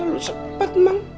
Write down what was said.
lo sepet bang